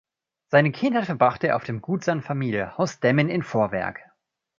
Seine Kindheit verbrachte er auf dem Gut seiner Familie, Haus Demmin in Vorwerk.